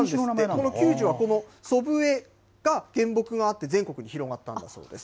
この久寿は祖父江が原木があって、全国に広がったんだそうです。